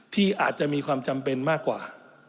ที่อาจจะมีความจำเป็นมากกว่า